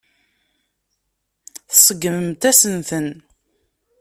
Tseggmemt-asent-ten.